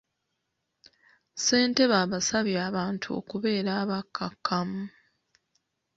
Ssentebe abasabye abantu okubeera abakkakkamu.